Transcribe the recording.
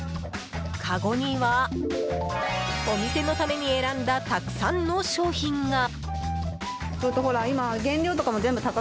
かごにはお店のために選んだたくさんの商品が。